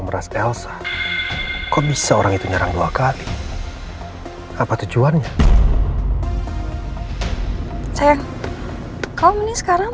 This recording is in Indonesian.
meras elsa kok bisa orang itu nyarang dua kali hai apa tujuannya sayang kau mending sekarang